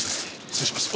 失礼します。